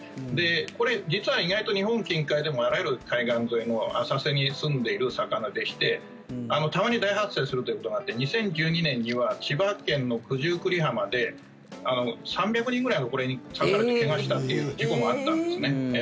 これ実は、意外と日本近海でもあらゆる海岸沿いの浅瀬にすんでいる魚でしてたまに大発生することがあって２０１２年には千葉県の九十九里浜で３００人くらいがこれに刺されて怪我したっていう事故があったんですね。